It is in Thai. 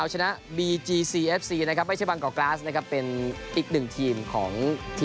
หมดสิทธิ์ในการไปแชมป์